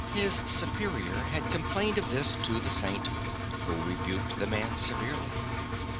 His Superior had complained of this to the Saint, who rebuked the man severely.